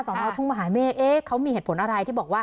น้องทุ่งมหาเมฆเขามีเหตุผลอะไรที่บอกว่า